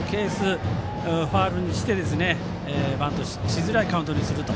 ファウルにしてバントしづらいカウントにすると。